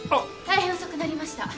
大変遅くなりました。